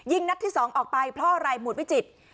นัดที่๒ออกไปเพราะอะไรหมุดวิจิตร